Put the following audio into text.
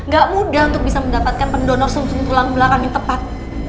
gak mudah untuk bisa mendapatkan pendonor sum sum tulang belakang yang tepat